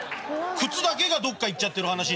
靴だけがどっか行っちゃってる話になってるから。